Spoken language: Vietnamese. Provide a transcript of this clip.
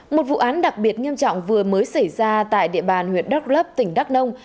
một vụ án đặc biệt nghiêm trọng vừa mới xảy ra tại địa bàn huyện đắk lấp tỉnh đắk nông